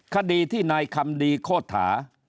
คดีที่ในคำดีโฆษฐา